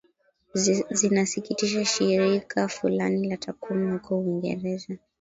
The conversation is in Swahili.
zinasikitisha Shirika fulani la takwimu huko Uingereza